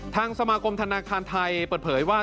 ทางสมาคมธนาคารไทยเปิดเผยว่า